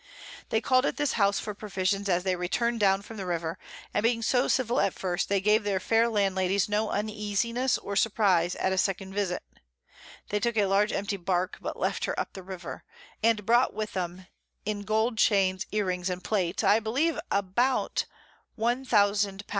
They call'd at this House for Provisions as they return'd down the River, and being so civil at first, they gave their fair Landladies no Uneasiness nor Surprize at a 2_d_ Visit: They took a large empty Bark, but left her up the River, and brought with 'em in Gold Chains, Ear rings and Plate, I believe above 1000 _l.